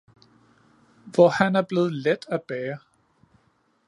hvor han er blevet let at bære!